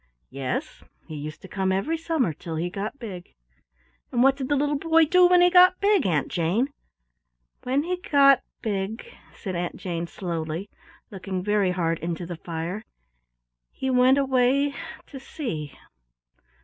"Yes, he used to come every summer till he got big." "And what did the little boy do when he got big, Aunt Jane?" "When he got big," said Aunt Jane slowly, looking very hard into the fire, "he went away to sea."